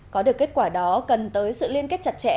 có được kết quả đó cần tới sự liên kết chặt chẽ